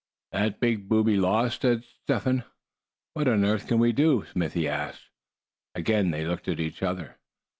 "That big booby lost!" said Step Hen. "What on earth can we do?" Smithy asked. Again they looked at each other.